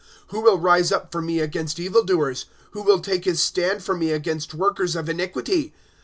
'^ Who will rise up for me against evil doers ; Who will take his stand for me against workers of hiiquity?